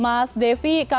mas devi kami perhatikan